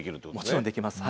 もちろんできます。